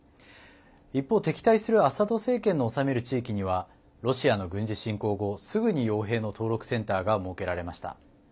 一方、敵対するアサド政権の治める地域にはロシアの軍事侵攻後、すぐによう兵の登録センターが設けられました。